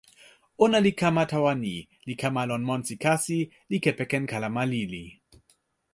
ona li kama tawa ni, li kama lon monsi kasi, li kepeken kalama lili.